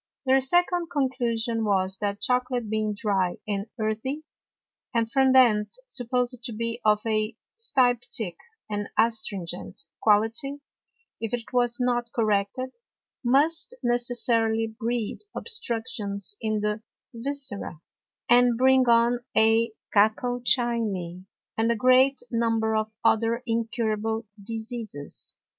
Their second Conclusion was, That Chocolate being dry and earthy, and from thence supposed to be of a styptick and astringent Quality; if it was not corrected, must necessarily breed Obstructions in the Viscera, and bring on a Cacochimy, and a great Number of other incurable Diseases.